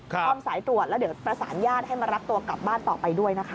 พร้อมสายตรวจแล้วเดี๋ยวประสานญาติให้มารับตัวกลับบ้านต่อไปด้วยนะคะ